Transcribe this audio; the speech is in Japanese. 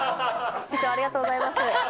師匠、ありがとうございます。